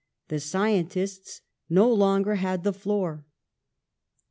The scientists no longer had the floor!